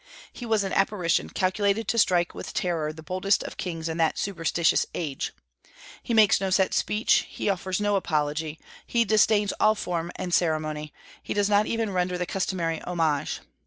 He was an apparition calculated to strike with terror the boldest of kings in that superstitious age. He makes no set speech, he offers no apology, he disdains all forms and ceremonies; he does not even render the customary homage.